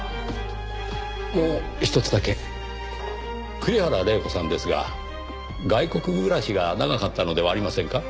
栗原玲子さんですが外国暮らしが長かったのではありませんか？